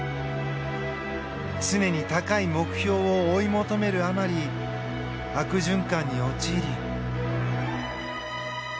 常に高い目標を追い求めるあまり悪循環に陥り。